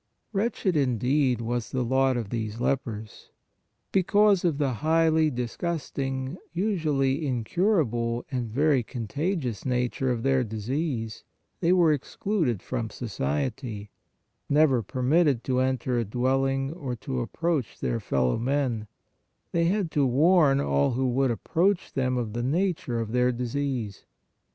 Wretched, indeed, was the lot of these lepers. Because of the highly disgusting, usually incurable and very contagious nature of their disease, they were excluded from society, never permitted to enter a dwelling or to approach their fellow men; they had to warn all who would approach them of the nature of their disease.